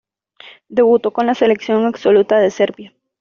Debutó con la selección absoluta de Serbia.